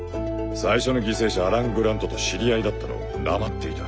最初の犠牲者アラン・グラントと知り合いだったのを黙っていた。